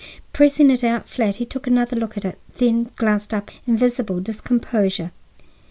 Pressing it out flat, he took another look at it, then glanced up in visible discomposure.